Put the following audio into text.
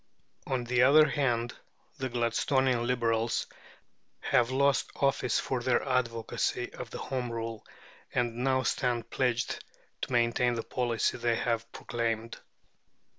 On the other hand, the Gladstonian Liberals have lost office for their advocacy of Home Rule, and now stand pledged to maintain the policy they have proclaimed.